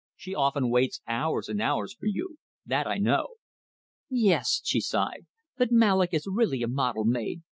"She often waits hours and hours for you. That I know." "Yes," she sighed. "But Mallock is really a model maid.